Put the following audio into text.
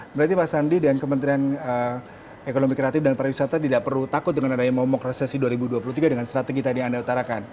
berarti pak sandi dan kementerian ekonomi kreatif dan pariwisata tidak perlu takut dengan adanya momok resesi dua ribu dua puluh tiga dengan strategi tadi yang anda utarakan